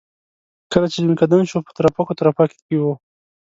کله چې ځنکدن شو په ترپکو ترپکو کې و.